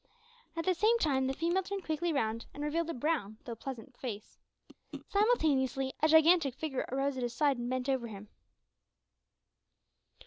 At the same time the female turned quickly round and revealed a brown, though pleasant, face. Simultaneously, a gigantic figure arose at his side and bent over him.